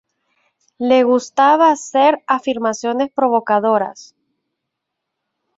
Le gustaba hacer afirmaciones provocadoras.